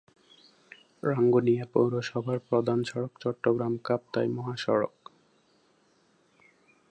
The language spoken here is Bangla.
রাঙ্গুনিয়া পৌরসভার প্রধান সড়ক চট্টগ্রাম-কাপ্তাই মহাসড়ক।